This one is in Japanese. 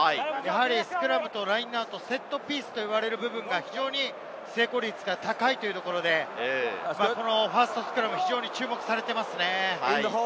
スクラムとラインアウト、セットピースと言われる部分が非常に成功率が高いので、ファーストスクラム、非常に注目されていますね。